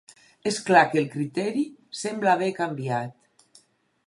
És clar que el criteri sembla haver canviat.